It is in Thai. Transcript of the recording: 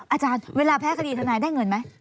อาจารย์เวลาแพ้คดีทนายได้เงินไหม